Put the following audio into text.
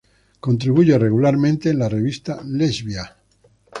Contribuye regularmente en la revista "Lesbia".